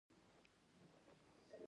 کله ناکله خو د لویو تېروتنو سبب کېږي.